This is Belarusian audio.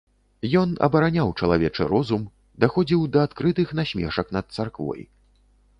Ён абараняў чалавечы розум, даходзіў да адкрытых насмешак над царквой.